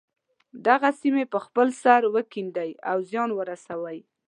دغه سیمې په خپل سر وکیندي او زیان ورسوي.